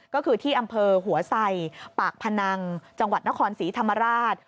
ก็คือที่อำเภอหัวไสปากพนังจังหวัดนครศรีธรรมราช